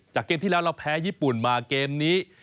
เกมที่แล้วเราแพ้ญี่ปุ่นมาเกมนี้